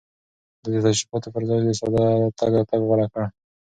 ده د تشريفاتو پر ځای ساده تګ راتګ غوره کړ.